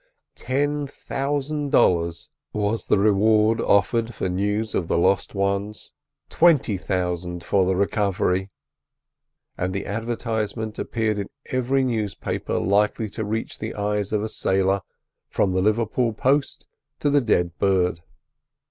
Ten thousand dollars was the reward offered for news of the lost ones, twenty thousand for the recovery; and the advertisement appeared in every newspaper likely to reach the eyes of a sailor, from the Liverpool Post to the Dead Bird.